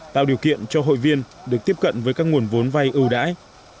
tạo điều kiện cho hội viên được tiếp cận với các nguồn vốn vay ưu đãi